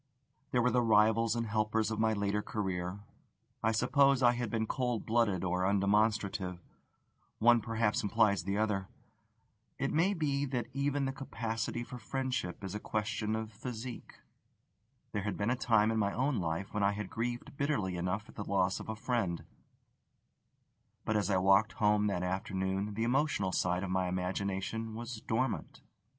There were the rivals and helpers of my later career: I suppose I had been cold blooded or undemonstrative one perhaps implies the other. It may be that even the capacity for friendship is a question of physique. There had been a time in my own life when I had grieved bitterly enough at the loss of a friend; but as I walked home that afternoon the emotional side of my imagination was dormant.